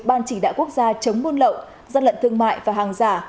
ban chỉ đạo quốc gia chống buôn lậu gian lận thương mại và hàng giả